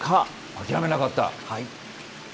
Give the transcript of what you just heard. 諦めなかった。